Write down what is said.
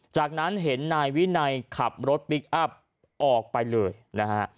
จากนั้นเห็นนายวินัยขับรถพลิกอัพออกไปเลยนะฮะ